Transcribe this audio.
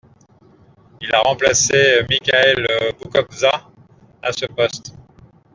Il a remplacé Michaël Boukobza à ce poste.